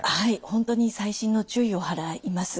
本当に細心の注意を払います。